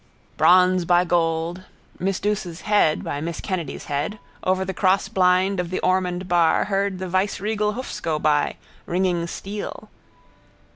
Bronze by gold, miss Douce's head by miss Kennedy's head, over the crossblind of the Ormond bar heard the viceregal hoofs go by, ringing steel.